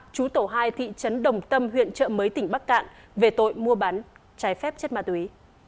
chú tổ hai thị trấn đồng tâm huyện trợ mới tỉnh bắc cạn về tội mua bán trái phép chất ma túy